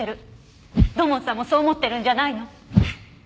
土門さんもそう思ってるんじゃないの？